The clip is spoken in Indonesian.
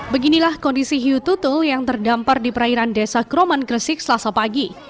beginilah kondisi hiu tutul yang terdampar di perairan desa kroman gresik selasa pagi